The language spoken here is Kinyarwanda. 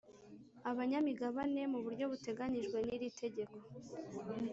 abanyamigabane mu buryo buteganyijwe n iritegeko